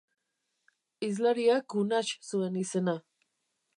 Hizlariak Unax zuen izena.